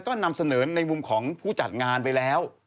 ก็นำเสนอในมุมของผู้จัดงานไปแล้ว